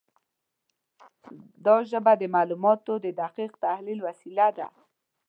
دا ژبه د معلوماتو د دقیق تحلیل وسیله ده.